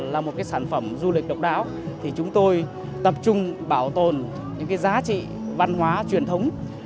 là một cái sản phẩm du lịch độc đáo thì chúng tôi tập trung bảo tồn những cái giá trị văn hóa truyền thống